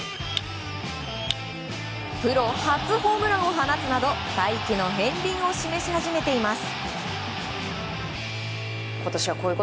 プロ初ホームランを放つなど大器の片鱗を示し始めています。